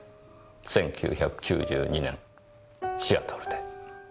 １９９２年シアトルで。